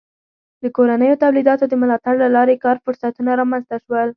د کورنیو تولیداتو د ملاتړ له لارې کار فرصتونه رامنځته شول.